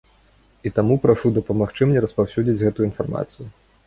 І таму прашу дапамагчы мне распаўсюдзіць гэтую інфармацыю.